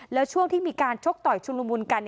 แล้วช่วงที่มีการชกต่อยชุลมุนกัน